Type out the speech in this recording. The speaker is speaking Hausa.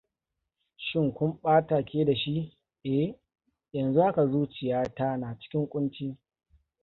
"Shin kun ɓata ke da shi? ""Eh, yanzu haka zuciya ta na cikin ƙunci""."